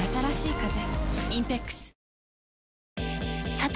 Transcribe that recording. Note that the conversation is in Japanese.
さて！